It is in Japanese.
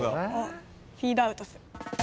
フェードアウトする。